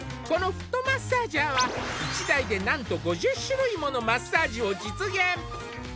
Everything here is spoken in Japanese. このフットマッサージャーは１台でなんと５０種類ものマッサージを実現